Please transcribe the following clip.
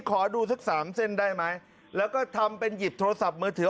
ขอดูสักสามเส้นได้ไหมแล้วก็ทำเป็นหยิบโทรศัพท์มือถือ